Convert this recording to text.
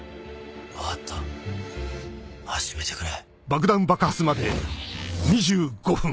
分かった始めてくれ。